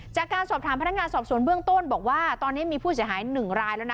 จากการสอบถามพนักงานสอบสวนเบื้องต้นบอกว่าตอนนี้มีผู้เสียหาย๑รายแล้วนะ